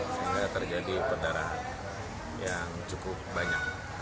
sehingga terjadi perdarahan yang cukup banyak